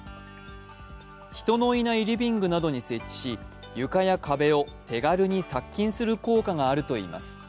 人のいないリビングなどに設置し、床や壁を手軽に殺菌する効果があるといいます